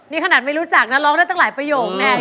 นี่ขนาดไม่รู้จักนะร้องได้ตั้งหลายประโยคแน่